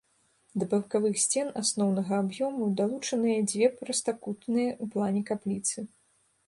Да бакавых сцен асноўнага аб'ёму далучаныя дзве прастакутныя ў плане капліцы.